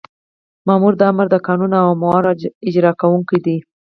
مامور د آمر د قانوني اوامرو اجرا کوونکی دی.